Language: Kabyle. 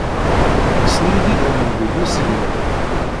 Kksen-iyi-d idammen deg usegnaf.